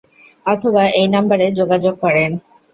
অথবা এই নাম্বারে যোগাযোগ করেন।